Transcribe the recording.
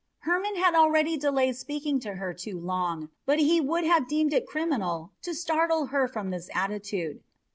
Hermon had already delayed speaking to her too long, but he would have deemed it criminal to startle her from this attitude.